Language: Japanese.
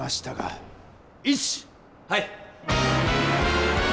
はい！